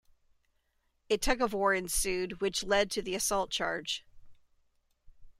A tug of war ensued which led to the assault charge.